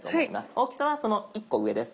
大きさはその１個上です。